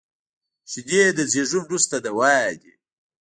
شیدې د زیږون وروسته دوا دي